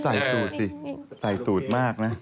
ใส่ตูดสิใส่ตูดมากนะ